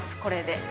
これで。